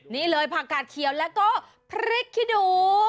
นี่เลยผักกาดเขียวแล้วก็พริกขี้หนู